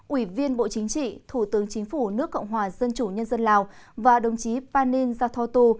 ủy viên bộ chính trị thủ tướng chính phủ nước cộng hòa dân chủ nhân dân lào và đồng chí panin gia tho tô